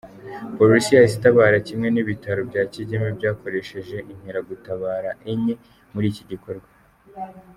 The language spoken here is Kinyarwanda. Polisi yahise itabara kimwe n’ibitaro bya Kigeme byakoresheje inkeragutaba enye muri iki gikorwa.